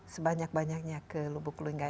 sebanyak banyaknya ke lubuk linggau